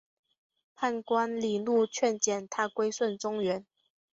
判官李恕劝谏他归顺中原。